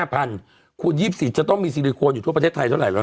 คุณ๒๔จะต้องมีซิลิโคนอยู่ทั่วประเทศไทยเท่าไหรแล้ว